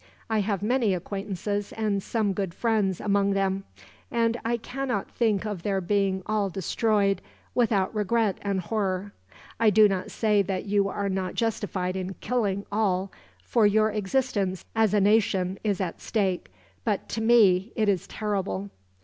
I have many acquaintances and some good friends, among them; and I cannot think of their being all destroyed, without regret and horror. I do not say that you are not justified in killing all, for your existence as a nation is at stake; but to me, it is terrible."